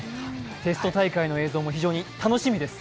テスト大会の映像も非常に楽しみです。